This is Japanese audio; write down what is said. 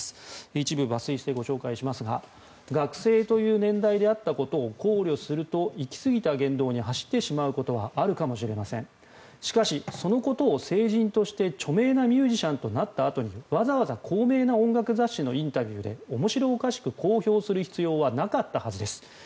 一部抜粋してご紹介しますが学生という年代であったことを考慮すると行き過ぎた言動に走ってしまうことはあるかもしれませんしかし、そのことを成人として著名なミュージシャンとなったあとにわざわざ高名な音楽雑誌のインタビューで面白おかしく公表する必要はなかったはずです